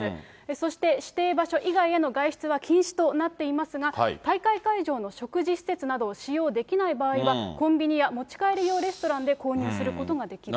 そして指定場所以外への外出は禁止となっていますが、大会会場の食事施設などを使用できない場合は、コンビニや持ち帰り用レストランで購入することができると。